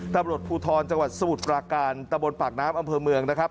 ตำรวจภูทรจังหวัดสมุทรปราการตะบนปากน้ำอำเภอเมืองนะครับ